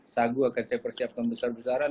sagu akan saya persiapkan besar besaran